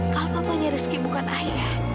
kalau papanya rizky bukan ayah